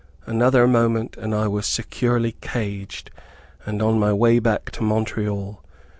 Another moment and I was securely caged, and on my way back to Montreal.